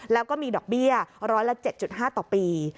แล้วก็มีดอกเบี้ยร้อยละ๗๕ต่อปี